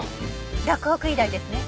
洛北医大ですね。